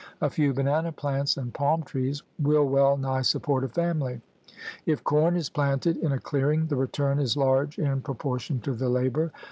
A few banana plants and palm trees will well nigh support a family. If corn is planted in a clearing, the return is large in propor tion to the labor.